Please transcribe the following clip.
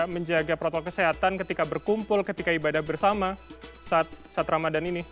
menjaga protokol kesehatan ketika berkumpul ketika ibadah bersama saat ramadan ini